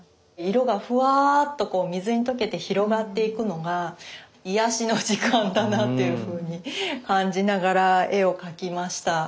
色がふわっとこう水に溶けて広がっていくのが癒やしの時間だなというふうに感じながら絵を描きました。